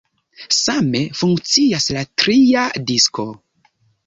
Same funkcias la tria disko.